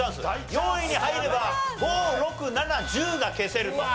４位に入れば５６７１０が消せると。